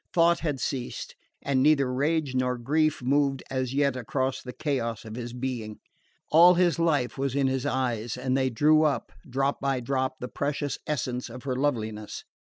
Thought had ceased, and neither rage nor grief moved as yet across the chaos of his being. All his life was in his eyes, as they drew up, drop by drop, the precious essence of her loveliness.